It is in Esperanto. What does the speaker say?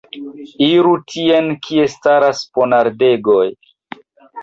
Iru tien, kie staras ponardegoj!